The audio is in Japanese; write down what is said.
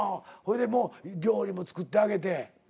ほいで料理も作ってあげて。